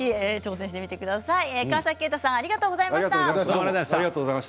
川崎景太さんありがとうございました。